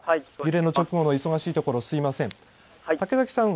揺れの直後の忙しいところすみません。